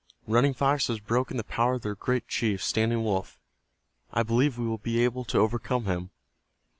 Running Fox has broken the power of their great chief, Standing Wolf. I believe we will be able to overcome him.